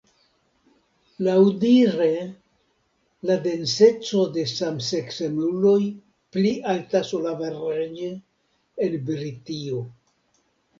Laŭdire la denseco de samseksemuloj pli altas ol averaĝe en Britio.